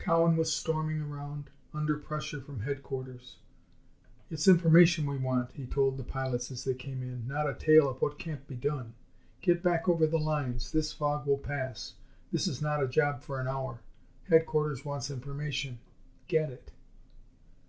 Cowan was storming around, under pressure from headquarters. "It's information we want," he told the pilots as they came in, "not a tale of what can't be done. Get back over the lines. This fog will pass. This is not a job for an hour. Headquarters wants information. Get it!"